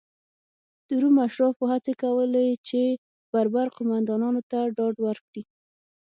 د روم اشرافو هڅې کولې چې بربر قومندانانو ته ډاډ ورکړي.